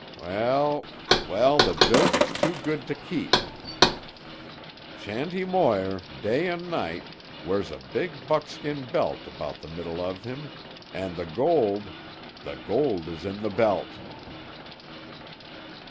Well—well, the joke is too good to keep: Shanty Moir, day and night, wears a big buckskin belt about the middle of him, and the gold—the gold is in the belt!"